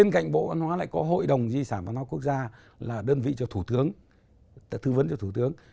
bên cạnh bộ văn hóa lại có hội đồng di sản văn hóa quốc gia là đơn vị cho thủ tướng thư vấn cho thủ tướng